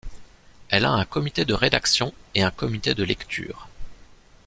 Elle a un comité de rédaction et un comité de lecture.